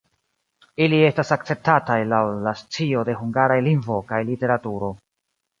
Ili estas akceptataj laŭ la scio de hungaraj lingvo kaj literaturo.